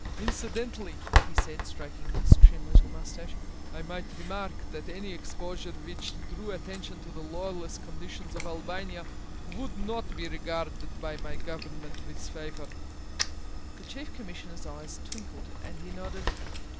Incidentally," he said, stroking his trim little moustache, "I might remark that any exposure which drew attention to the lawless conditions of Albania would not be regarded by my government with favour." The Chief Commissioner's eyes twinkled and he nodded.